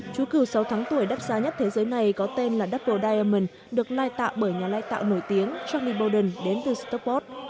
chú cừu sáu tháng tuổi đắt giá nhất thế giới này có tên là double diamond được lai tạo bởi nhà lai tạo nổi tiếng charlie bowden đến từ stockport